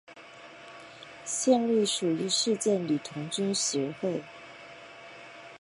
现隶属于世界女童军协会。